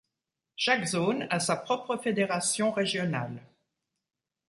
Chaque zone a sa propre fédération régionale.